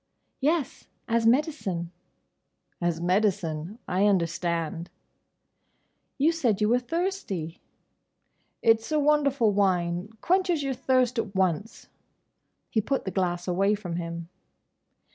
"Yes. As medicine." "As medicine—I understand." "You said you were thirsty." "It's a wonderful wine. Quenches your thirst at once." He put the glass away from him.